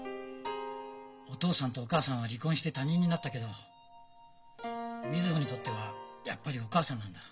お父さんとお母さんは離婚して他人になったけど瑞穂にとってはやっぱりお母さんなんだ。